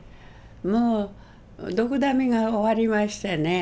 もうドクダミが終わりましてね